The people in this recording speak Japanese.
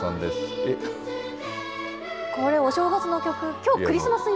これ、お正月の曲。